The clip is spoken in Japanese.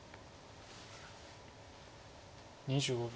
２５秒。